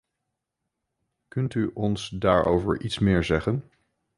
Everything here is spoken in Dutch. Kunt u ons daarover iets meer zeggen?